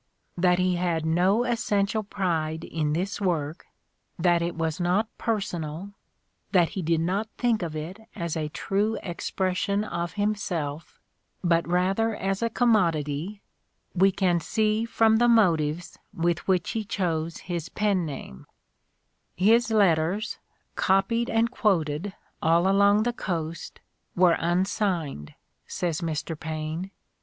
'' That he had no essential pride in this work, that it was not personal, that he did not think of it as a true expression of himself but rather as a commodity we can see from the motives with which he chose his pen name: "His letters, copied and quoted all along the Coast, were unsigned," says Mr. Paine.